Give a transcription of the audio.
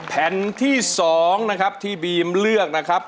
แผ่นที่๒นะครับที่บีมเลือกนะครับ